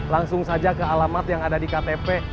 langsung saja ke alamat yang ada di ktp